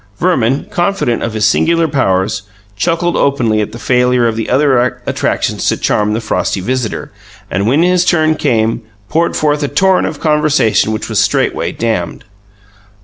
Verman, confident in his own singular powers, chuckled openly at the failure of the other attractions to charm the frosty visitor, and, when his turn came, poured forth a torrent of conversation which was straightway damned.